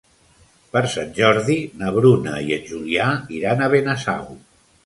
Per Sant Jordi na Bruna i en Julià iran a Benasau.